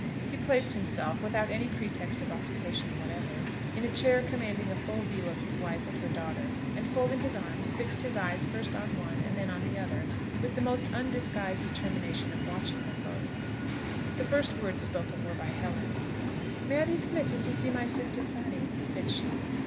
He placed himself, without any pretext of occupation whatever, in a chair commanding a full view of his wife and her daughter, and folding his arms, fixed his eyes first on one and then on the other with the most undisguised determination of watching them both. The first words spoken were by Helen. "May I be permitted to see my sister Fanny?" said she.